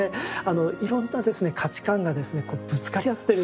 いろんなですね価値観がですねぶつかり合ってる。